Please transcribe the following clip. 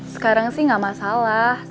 sekarang sih gak masalah